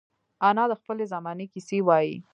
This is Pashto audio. انا د خپلې زمانې کیسې وايي